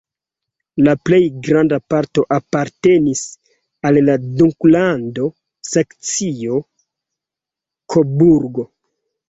La plej granda parto apartenis al la duklando Saksio-Koburgo.